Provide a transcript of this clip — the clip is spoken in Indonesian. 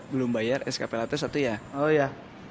belum bayar skplt satu ya oh ya